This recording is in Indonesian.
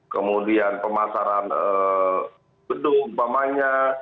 kemudian pemasaran gedung